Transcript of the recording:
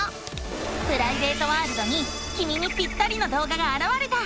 プライベートワールドにきみにぴったりの動画があらわれた！